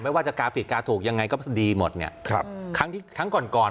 ไม่ว่าจะกาปิดกาถูกยังไงก็ดีหมดเนี่ยครับครั้งที่ครั้งก่อนก่อน